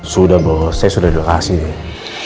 sudah bos saya sudah dikasih deh